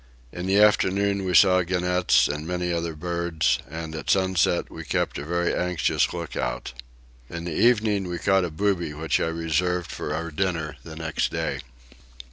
In the afternoon we saw gannets and many other birds, and at sunset we kept a very anxious lookout. In the evening we caught a booby which I reserved for our dinner the next day.